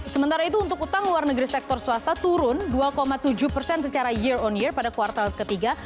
sementara itu untuk utang luar negeri sektor swasta turun dua tujuh persen secara year on year pada kuartal ketiga